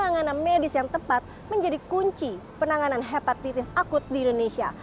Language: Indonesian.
penanganan medis yang tepat menjadi kunci penanganan hepatitis akut di indonesia